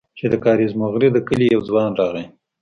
چې د کاريز موغري د کلي يو ځوان راغى.